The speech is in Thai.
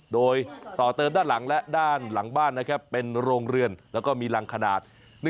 โดยต่อเติมด้านหลังและด้านหลังบ้านนะครับเป็นโรงเรือนแล้วก็มีรังขนาด